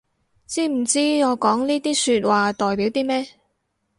知唔知我講呢啲說話代表啲咩